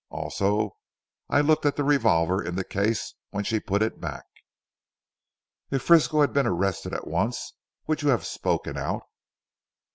Also I looked at the revolver in the case when she put it back." "If Frisco had been arrested at once would you have spoken out?"